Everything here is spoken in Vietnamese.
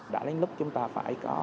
đã đến lúc chúng ta phải có